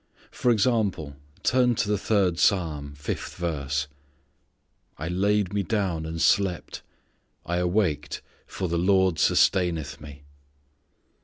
For example turn to the third Psalm, fifth verse, "I laid me down and slept; I awaked; for the Lord sustaineth me."